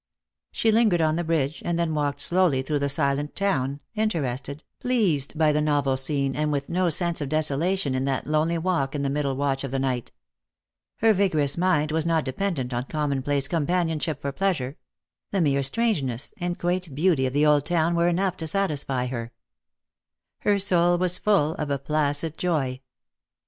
She lingered on the bridge, and then walked slowly through the silent town, interested, pleased by the novel scene, and with no sense of desolation in that lonely walk in the middle watch of the night. Her vigorous mind was not dependent on com monplace companionship for pleasure; the mere strangeness and quaint beauty of the old town were enough to satisfy her. Her soul was full of a placid joy.